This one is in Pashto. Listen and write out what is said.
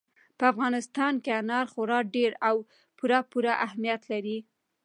په افغانستان کې انار خورا ډېر او پوره پوره اهمیت لري.